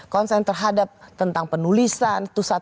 konsen terhadap tentang penulisan itu satu hal